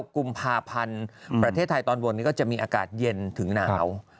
ก็จะมีอากาศเย็นถึงหนาว